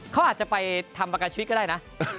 เขาอาจจะไปทำประกันชีวิตก็ได้นะ